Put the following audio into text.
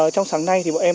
trong sáng nay thì bọn em